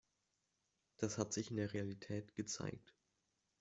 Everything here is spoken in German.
Das hat sich in der Realität gezeigt.